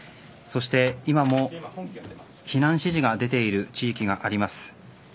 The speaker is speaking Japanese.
そして、今も避難指示が出ている地域があります。